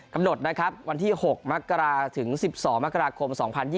กำหนดนะครับวันที่๖มกราถึง๑๒มกราคม๒๐๒๐